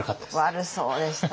悪そうでしたね。